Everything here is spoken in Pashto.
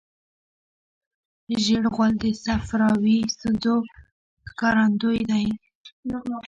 ژېړ غول د صفراوي ستونزو ښکارندوی دی.